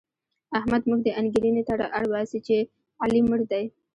احمد موږ دې انګېرنې ته اړباسي چې علي مړ دی.